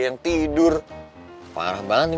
nih makan nih